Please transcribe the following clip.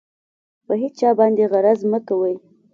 په هېچا باندې غرض مه کوئ.